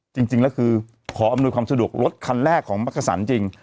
จริงแล้วคือขออำนวยความสะดวกรถคันแรกของมักกษันจริง